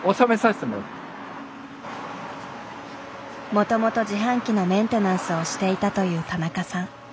もともと自販機のメンテナンスをしていたという田中さん。